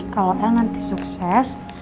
kalau el nanti sukses